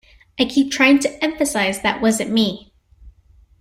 I keep trying to emphasize that wasn't me.